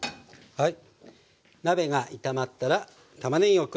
はい。